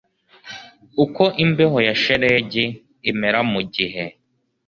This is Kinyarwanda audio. uko imbeho ya shelegi imera mu gihe